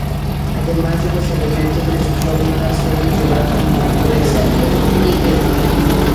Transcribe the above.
Además de los elementos de su fórmula, suele llevar como impureza el níquel.